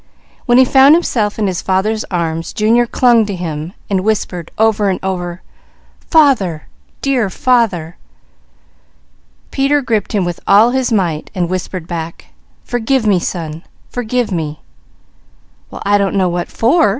When he found himself in his father's arms Junior clung to him and whispered over and over: "Father, dear father!" Peter gripped him with all his might and whispered back: "Forgive me son! Forgive me!" "Well I don't know what for?"